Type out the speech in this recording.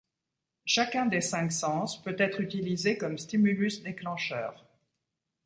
Chacun des cinq sens peut être utilisé comme stimulus déclencheur.